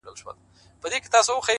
هوښیاري د لومړیتوبونو پېژندل دي’